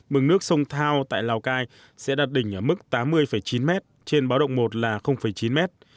mực nước sông thao tại lào cai sẽ đạt đỉnh ở mức tám mươi chín m trên báo động một là chín mét